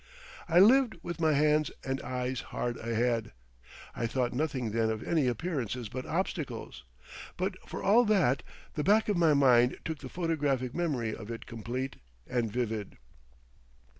I lived with my hands and eyes hard ahead. I thought nothing then of any appearances but obstacles, but for all that the back of my mind took the photographic memory of it complete and vivid....